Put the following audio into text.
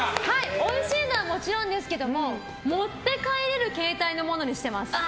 おいしいのはもちろんですけど持って帰れる形態のものにしています。